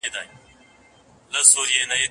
هر یوه وه را اخیستي تومنونه